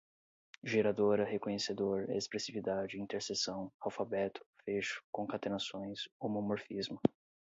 geradora, reconhecedor, expressividade, interseção, alfabeto, fecho, concatenações, homomorfismo